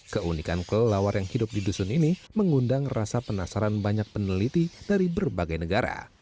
keunikan kelelawar yang hidup di dusun ini mengundang rasa penasaran banyak peneliti dari berbagai negara